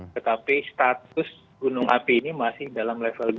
tetapi status gunung api ini masih dalam level dua